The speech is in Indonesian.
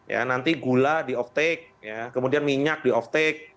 ya nanti gula di off tak kemudian minyak di off take